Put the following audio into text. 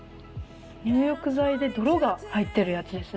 入浴剤で泥が入ってるやつですね。